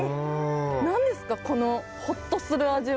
何ですかこのホッとする味は。